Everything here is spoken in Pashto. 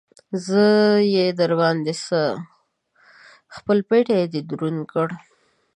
زه يې در باندې څه؟! خپل پټېی دې دروند کړ.